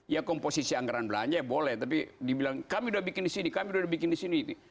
ya komposisi anggaran belanja boleh tapi dibilang kami udah bikin disini kami udah bikin disini